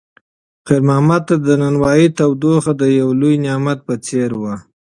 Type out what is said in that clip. خیر محمد ته د نانوایۍ تودوخه د یو لوی نعمت په څېر وه.